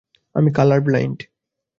আমি কালার ব্লাউন্ড।